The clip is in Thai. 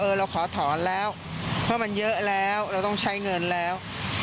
เราขอถอนแล้วเพราะมันเยอะแล้วเราต้องใช้เงินแล้ว